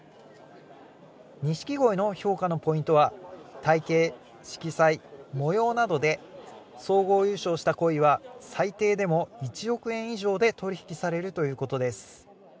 ニシキゴイの評価のポイントは、体型、色彩、模様などで、総合優勝したコイは最低でも１億円以上で取り引きされるということです。